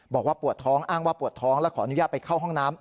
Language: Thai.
บอกว่าปวดท้องอ้างว่าปวดท้องและขออนุญาตไปเข้าห้องน้ำ